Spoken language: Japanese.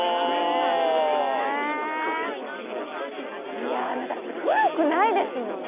いやだって古くないですもんね。